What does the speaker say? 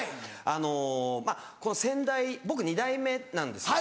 あのまぁ先代僕２代目なんですよね。